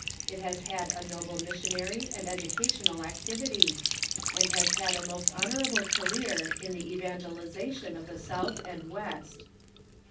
It has had a noble missionary and educational activity, and has had a most honorable career in the evangelization of the South and "West.